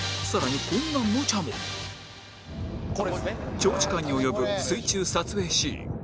長時間に及ぶ水中撮影シーン